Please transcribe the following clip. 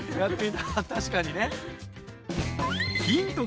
確かにね。